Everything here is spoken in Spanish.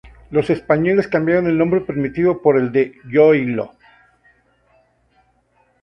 Los españoles cambiaron el nombre primitivo por el de Iloílo.